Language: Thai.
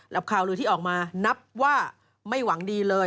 ข่าวลือที่ออกมานับว่าไม่หวังดีเลย